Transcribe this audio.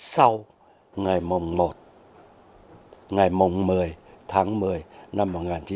sau ngày mùng một ngày mùng một mươi tháng một mươi năm một nghìn chín trăm năm mươi bốn